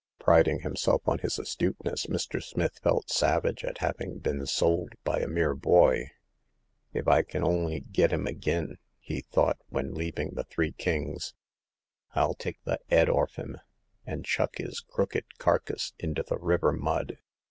Priding himself on his astuteness, Mr. Smith felt savage at having been sold by a mere boy. " If I kin on'y git 'im agin !'* he thought, when leaving the Three Kings, 111 take the *ead orf 'm, and chuck 'is crooked karkuss int' the river mud